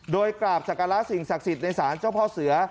โดยกราบศักระสิ่งศักดิ์สิทธิ์ในศาลเจ้าพ่อเสือ